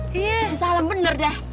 kung salam bener dah